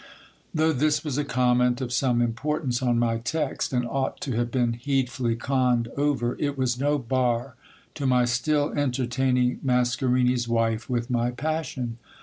Though this was a comment of some importance on my text, and ought to have been needfully conned over, it was no bar to my still entertaining Masca rini's wife with my passion.